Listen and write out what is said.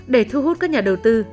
để thu hút các nhà đầu tư